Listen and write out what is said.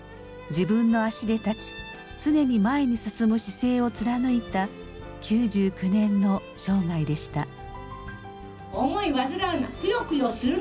自分の足で立ち常に前に進む姿勢を貫いた９９年の生涯でした。